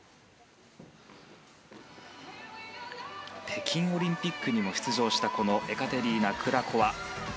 北京オリンピックにも出場したエカテリーナ・クラコワ。